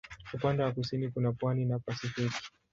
Upande wa kusini kuna pwani na Pasifiki.